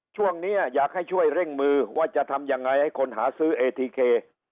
ช่วงนี้อยากให้ช่วยเร่งมือว่าจะทำยังไงให้คนหาซื้อเอทีเค